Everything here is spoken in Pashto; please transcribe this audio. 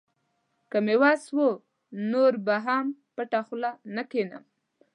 که مې وس و، نور به هم پټه خوله نه کښېنم.